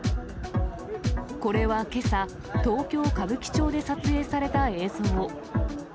これはけさ、東京・歌舞伎町で撮影された映像。